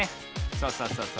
そうそうそうそう。